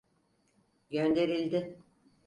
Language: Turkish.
Gönderildi.